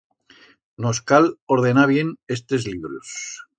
Nos cal ordenar bien estes libros.